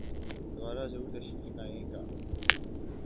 دوبارہ ضرور تشریف لائیئے گا